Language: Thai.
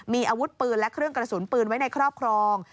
มีอาวุธปืนและเครื่องกระสุนปืนไว้ในครอบครอง